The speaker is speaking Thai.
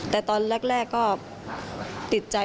แต่ตอนแรกก็ติดใจ